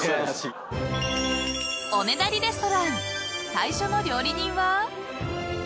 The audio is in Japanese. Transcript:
［最初の料理人は］